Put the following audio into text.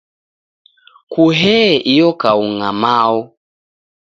Kuhee iyo kaung'a Mao!